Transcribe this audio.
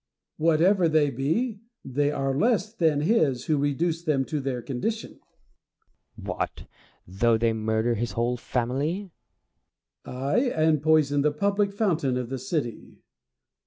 Whatever they be, they are less than his who reduced them to their condition. Plato. What ! though they murder his whole family ? Diogenes. Aj, and poison the public fountain of the city.